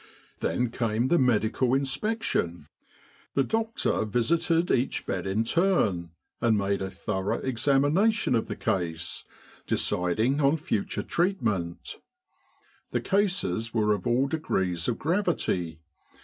Then came the medical in 237 With the R.A.M.C. in Egypt spection. The doctor visited each bed in turn, and made a thorough examination of the case, deciding on future treatment. The cases were of all degrees of gravity.